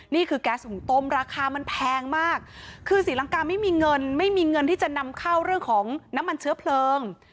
นี่คือแก๊สหุงต้มราคามันแพงมากคือศรีลังกาไม่มีเงินไม่มีเงินที่จะนำเข้าเรื่องของน้ำมันเชื้อเพลิง